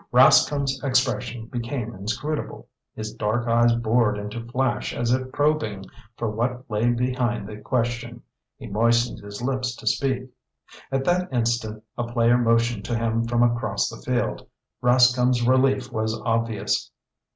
Rascomb's expression became inscrutable. His dark eyes bored into Flash as if probing for what lay behind the question. He moistened his lips to speak. At that instant a player motioned to him from across the field. Rascomb's relief was obvious.